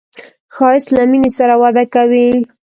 ښایست له مینې سره وده کوي